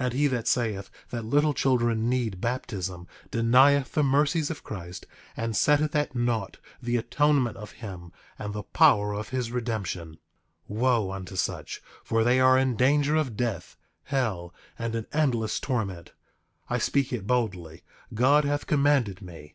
8:20 And he that saith that little children need baptism denieth the mercies of Christ, and setteth at naught the atonement of him and the power of his redemption. 8:21 Wo unto such, for they are in danger of death, hell, and an endless torment. I speak it boldly; God hath commanded me.